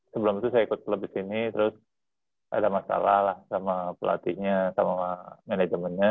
sebelum itu saya ikut klub di sini terus ada masalah lah sama pelatihnya sama manajemennya